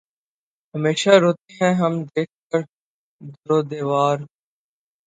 ہمیشہ روتے ہیں ہم دیکھ کر در و دیوار